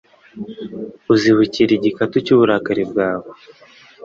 uzibukira igikatu cy’uburakari bwawe